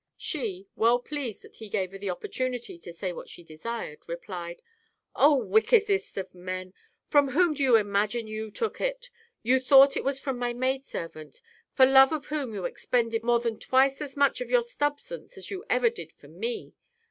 She, well pleased that he gave her an oppor tunity to say what she desired, replied " O wickedest of men ! From whom do you imagine you took it ? You thought it was from my maid servant, for love of whom you expended more than twice as much of your substance as you ever did for me.